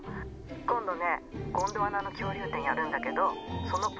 今度ね「ゴンドワナの恐竜展」やるんだけどそのポスターにも出てる。